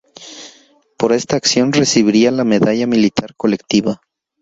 Por esta acción recibiría la Medalla Militar Colectiva.